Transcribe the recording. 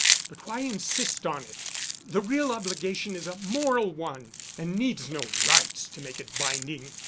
But why insist on it? The real obligation is a moral one and needs no rites to make it binding.